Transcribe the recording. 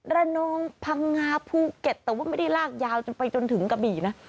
ระนองพังงาภูเก็ตแต่ว่าไม่ได้ลากยาวจนไปจนถึงกะบี่นะ